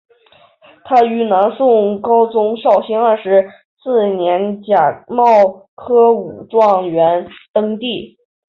他于南宋高宗绍兴二十四年甲戌科武状元登第。